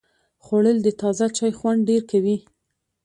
خوړل د تازه چای خوند ډېر کوي